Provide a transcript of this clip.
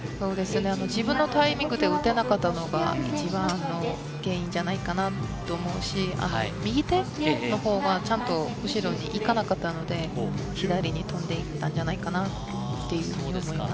自分のタイミングで撃てなかったのが一番の原因じゃないかなと思うし、右手のほうがちゃんと後ろに行かなかったので左に飛んでいったんじゃないかなっていうふうに思います。